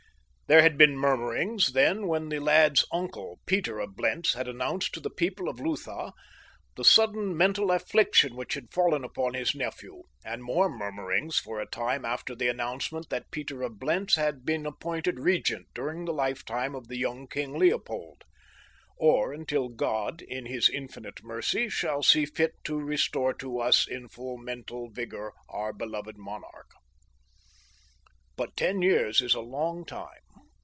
There had been murmurings then when the lad's uncle, Peter of Blentz, had announced to the people of Lutha the sudden mental affliction which had fallen upon his nephew, and more murmurings for a time after the announcement that Peter of Blentz had been appointed Regent during the lifetime of the young King Leopold, "or until God, in His infinite mercy, shall see fit to restore to us in full mental vigor our beloved monarch." But ten years is a long time.